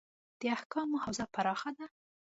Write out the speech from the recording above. د احکامو حوزه پراخه ده.